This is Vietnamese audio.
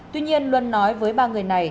tuy nhiên luân nói với ba người này